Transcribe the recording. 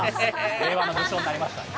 令和の武将になりました。